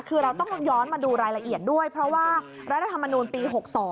คือเราต้องย้อนมาดูรายละเอียดด้วยเพราะว่ารัฐธรรมนูลปี๖๒